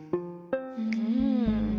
うん。